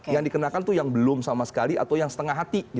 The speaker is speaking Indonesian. yang dikenakan itu yang belum sama sekali atau yang setengah hati